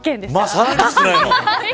さらに少ない。